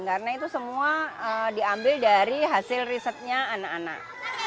karena itu semua diambil dari hasil risetnya anak anak